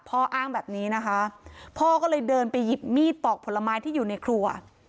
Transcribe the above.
อ้างแบบนี้นะคะพ่อก็เลยเดินไปหยิบมีดปอกผลไม้ที่อยู่ในครัว